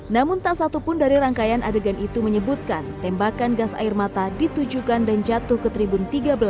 namun tak satupun dari rangkaian adegan itu menyebutkan tembakan gas air mata ditujukan dan jatuh ke tribun tiga belas